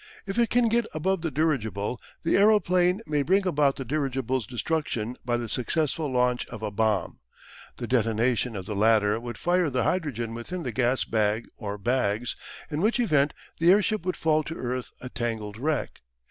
If it can get above the dirigible the adroplane may bring about the dirigible's destruction by the successful launch of a bomb. The detonation of the latter would fire the hydrogen within the gas bag or bags, in which event the airship would fall to earth a tangled wreck.